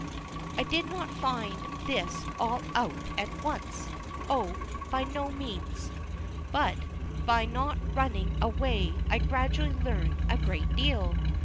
I did not find this all out at once. Oh, by no means, but by not running away I gradually learned a great deal.